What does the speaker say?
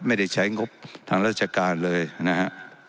ไม่ได้ใช้งบทางราชการเลยนะฮะ